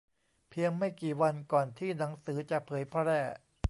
เพียงไม่กี่วันก่อนที่หนังสือจะเผยแพร่